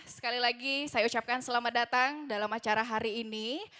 sekali lagi saya ucapkan selamat datang dalam acara hari ini